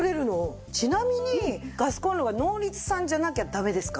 ちなみにガスコンロはノーリツさんじゃなきゃダメですか？